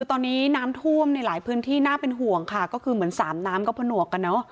คือตอนนี้น้ำท่วมในหลายพื้นที่น่าเป็นห่วงค่ะก็คือเหมือนสามน้ำก็ผนวกกันเนอะ